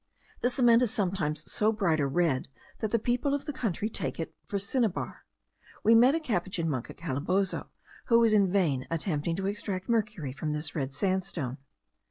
The cement is sometimes of so bright a red that the people of the country take it for cinnabar. We met a Capuchin monk at Calabozo, who was in vain attempting to extract mercury from this red sandstone.